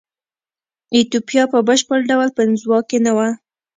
ایتوپیا په بشپړ ډول په انزوا کې نه وه.